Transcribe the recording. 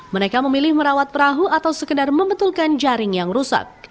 mereka memilih merawat perahu atau sekedar membetulkan jaring yang rusak